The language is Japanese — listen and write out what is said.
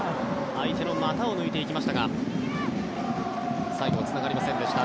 相手の股を抜いていきましたが最後はつながりませんでした。